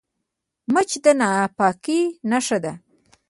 مچ د ناپاکۍ نښه ده